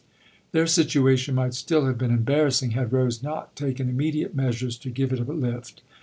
Their situation might still have been embarrassing had Rose not taken immediate measures to give it a lift.